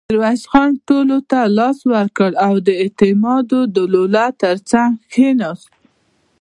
ميرويس خان ټولو ته لاس ورکړ او د اعتماد الدوله تر څنګ کېناست.